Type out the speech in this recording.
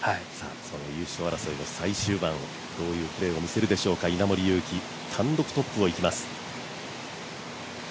優勝争いの最終盤、どういうプレーを見せるでしょうか、稲森佑貴、単独トップをいきます。